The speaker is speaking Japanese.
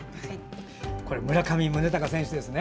村上宗隆選手ですね